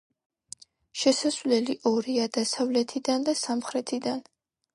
შესასვლელი ორია: დასავლეთიდან და სამხრეთიდან.